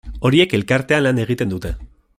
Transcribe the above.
Horiek elkartean lan egiten dute.